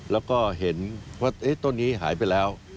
แล้วก็เห็นว่าต้นนี้หายไปแล้ว